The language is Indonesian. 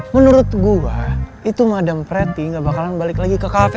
menurut gue itu madam pretty gak bakalan balik lagi ke kafe